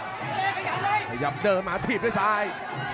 แคทเตอร์เล็กขยับเดินมาถีบด้วยซ้าย